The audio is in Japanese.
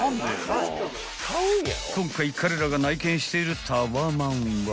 ［今回彼らが内見しているタワマンは］